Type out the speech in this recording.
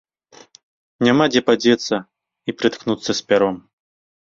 Няма дзе падзецца і прыткнуцца з пяром.